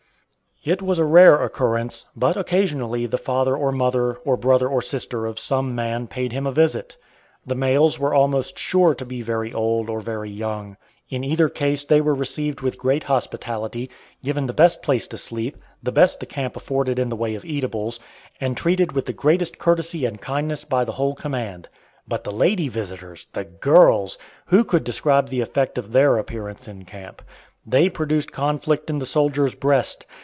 It was a rare occurrence, but occasionally the father or mother or brother or sister of some man paid him a visit. The males were almost sure to be very old or very young. In either case they were received with great hospitality, given the best place to sleep, the best the camp afforded in the way of eatables, and treated with the greatest courtesy and kindness by the whole command. But the lady visitors! the girls! Who could describe the effect of their appearance in camp! They produced conflict in the soldier's breast.